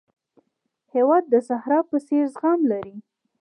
هېواد د صحرا په څېر زغم لري.